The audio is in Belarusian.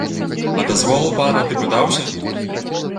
А дазвол у пана ты пытаўся?